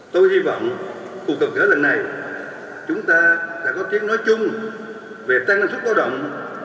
tôi hy vọng cuộc gặp gỡ lần này chúng ta đã có tiếng nói chung về tăng năng suất lao động